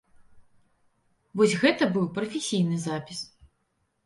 Вось гэта быў прафесійны запіс.